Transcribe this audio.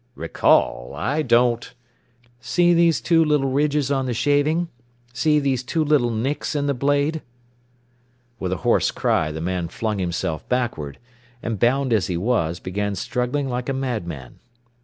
"Recall? I don't " "See these two little ridges on the shaving? See these two little nicks in the blade?" With a hoarse cry the man flung himself backward, and bound as he was, began struggling like a madman.